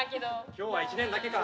今日は１年だけか。